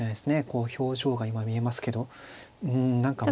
こう表情が今見えますけどうん何か。